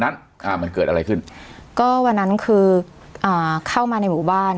อ่ามันเกิดอะไรขึ้นก็วันนั้นคืออ่าเข้ามาในหมู่บ้าน